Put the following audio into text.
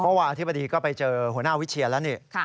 เพราะว่าอธิบดีก็ไปเจอหัวหน้าวิทย์เชียรแล้ว